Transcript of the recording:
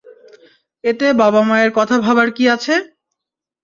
এতে বাবা-মায়ের কথা ভাবার কী আছে?